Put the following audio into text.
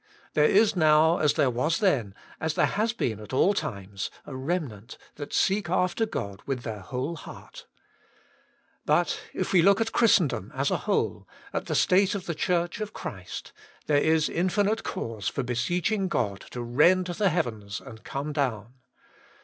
There is now, as 119 WAITING ON GODI there was then, as there has heen at all times, a remnant that seek after God with their whole heart But if we look at Christendom as a whole, at the state of the Church of Christ, there is infinite cause for beseeching God to rend the heavens and come down.